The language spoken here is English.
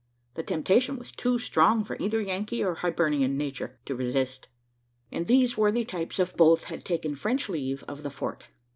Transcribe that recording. The temptation was too strong for either Yankee or Hibernian nature to resist; and these worthy types of both had taken French leave of the fort.